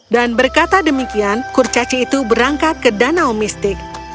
dan berkata demikian kurcaci itu berangkat ke danau mistik